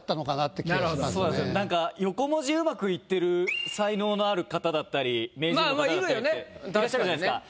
なんか横文字上手くいってる才能のある方だったり名人の方だったりっていらっしゃるじゃないですか。